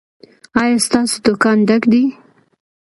ایا ستاسو دکان ډک دی؟